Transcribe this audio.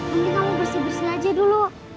mungkin kamu bersih bersih aja dulu